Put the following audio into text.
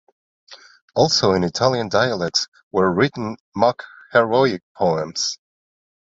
Also in Italian dialects were written mock-heroic poems.